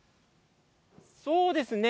そうですね。